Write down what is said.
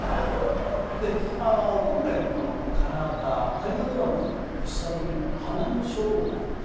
で今回のこのカラー化大河ドラマの１作目の「花の生涯」という。